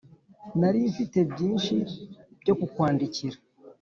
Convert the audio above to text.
Nari mfite byinshi byo kukwandikira